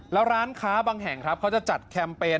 แล้วร้านค้าบางแห่งครับเขาจะจัดแคมเปญ